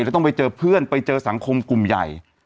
ต้องไปเจอเพื่อนไปเจอสังคมกลุ่มใหญ่